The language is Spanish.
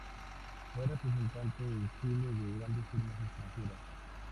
Fue representante en Chile de grandes firmas extranjeras.